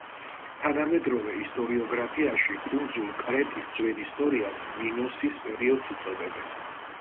თანამედროვე ისტორიოგრაფიაში კუნძულ კრეტის ძველ ისტორიას მინოსის პერიოდს უწოდებენ.